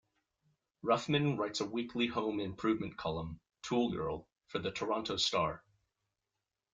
Ruffman writes a weekly home improvement column, "ToolGirl", for the "Toronto Star".